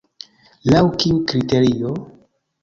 Laŭ kiu kriterio?